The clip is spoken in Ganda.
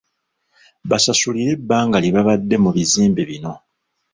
Basasulire ebbanga lye babadde mu bizimbe bino.